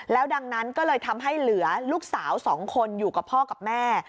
ดังนั้นก็เลยทำให้เหลือลูกสาว๒คนอยู่กับพ่อกับแม่